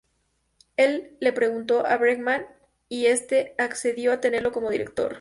Él le preguntó a Bregman y este accedió a tenerlo como director.